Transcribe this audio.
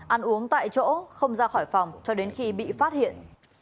ăn uống tại chỗ không ra khỏi phòng cho đến khi bị phát hiện